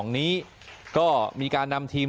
นี้ก็มีการนำทีม